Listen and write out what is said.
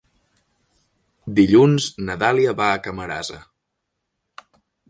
Dilluns na Dàlia va a Camarasa.